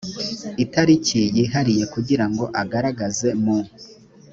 itariki yihariye kugira ngo agaragaze mu